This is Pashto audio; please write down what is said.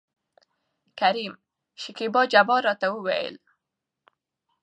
کريم : شکيبا جبار راته وايي.